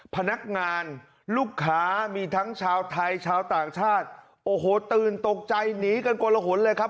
พนักงานลูกค้ามีทั้งชาวไทยชาวต่างชาติโอ้โหตื่นตกใจหนีกันกลหนเลยครับ